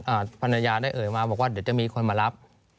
ภรรยาได้เอ่ยมาบอกว่าเดี๋ยวจะมีคนมารับ